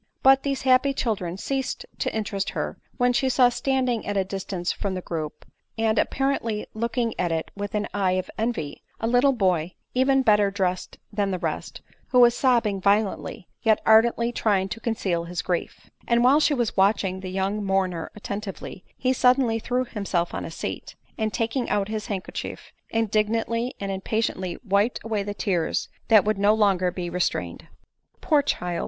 But these happy children ceased to interest her, when she saw standing at a distance from the group, and appa rently looking at it with an eye of envy, a little boy, even better dressed than the rest ; who was sobbing violently, yet ardently trying to conceal his grief, And while she was watching the young mourner attentively, he suddenly threw himself on a seat ; and, taking out his handkerchief, indignantly and impatiently wiped away the tears that would no longer be restrained. " Poor child